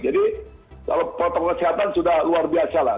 jadi kalau protokol kesehatan sudah luar biasa lah